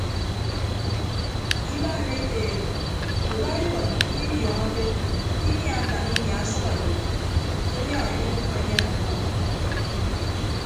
Ibaan ete udọ ekọñ ikidiọọñọke ke inia akan inia ọsʌk edi ke ayak ediwʌkkọ enyen ọmmọ.